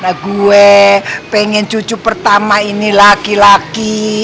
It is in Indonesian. nah gue pengen cucu pertama ini laki laki